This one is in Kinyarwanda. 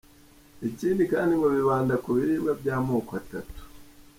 Ikindi kandi ngo bibanda ku biribwa byamoko atatu :.